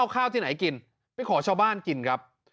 ไปของชาวบ้านกินครับ